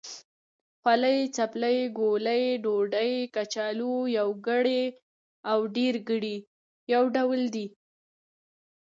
خولۍ، څپلۍ، ګولۍ، ډوډۍ، کچالو... يوګړی او ډېرګړي يو ډول دی.